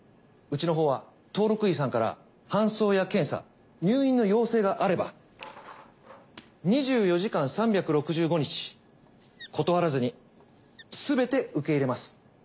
うちのほうは登録医さんから搬送や検査入院の要請があれば２４時間３６５日断らずにすべて受け入れます。